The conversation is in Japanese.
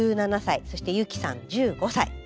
１７歳そして悠稀さん１５歳。